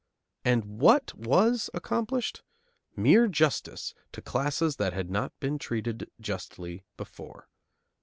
And what was accomplished? Mere justice to classes that had not been treated justly before.